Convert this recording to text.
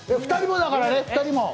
２人もだからね。